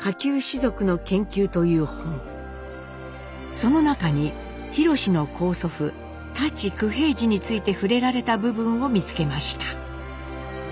その中にひろしの高祖父舘九平治について触れられた部分を見つけました。